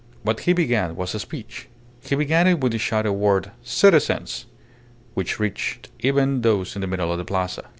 What he began was a speech. He began it with the shouted word "Citizens!" which reached even those in the middle of the Plaza.